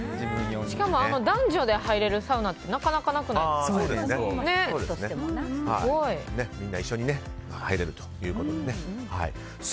しかも男女で入れるサウナってみんな一緒に入れるということで。